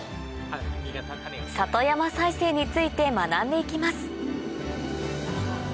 里山再生について学んでいきます